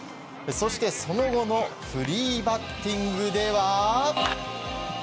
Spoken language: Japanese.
そして、その後のフリーバッティングでは。